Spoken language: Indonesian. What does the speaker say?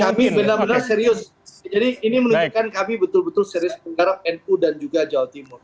jadi kami benar benar serius jadi ini menunjukkan kami betul betul serius menggarap nu dan juga jawa timur